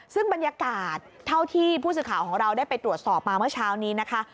ซึ่งบรรยากาศเท่าที่ผู้สื่อข่าวของเราได้ไปตรวจสอบมาเมื่อเช้านี้นะคะ